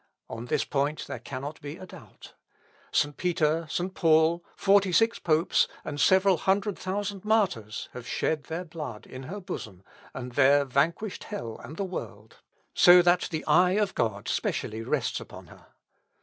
On this point there cannot be a doubt. St. Peter, St. Paul, forty six popes, and several hundred thousand martyrs, have shed their blood in her bosom, and there vanquished hell and the world, so that the eye of God specially rests upon her.